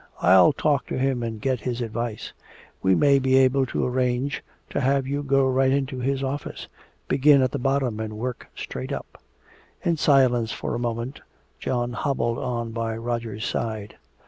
I'll talk to him and get his advice. We may be able to arrange to have you go right into his office, begin at the bottom and work straight up." In silence for a moment John hobbled on by Roger's side.